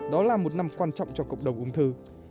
đó là một năm quan trọng cho cộng đồng ung thư